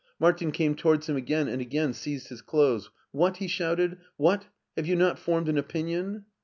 Martin came towards him again, and again seized his clothes. "What!" he shouted, "What! Have you not formed an opinion